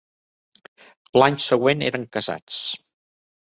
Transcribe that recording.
L'any següent eren casats.